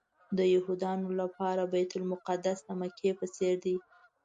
د یهودانو لپاره بیت المقدس د مکې په څېر دی.